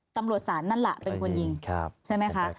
ตำรวจศาลนั่นแหละเป็นคนยิงใช่ไหมคะ